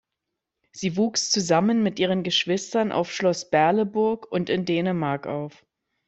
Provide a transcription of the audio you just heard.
Sie wuchs zusammen mit ihren Geschwistern auf Schloss Berleburg und in Dänemark auf.